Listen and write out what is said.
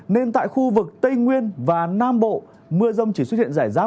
nên tại khu vực tây nguyên và nam bộ mưa rông chỉ xuất hiện rải rác